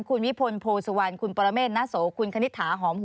ขอไม่แนะนำทั้งหมด